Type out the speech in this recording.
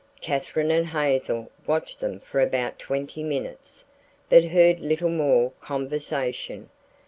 Katherine and Hazel watched them for about twenty minutes, but heard little more conversation.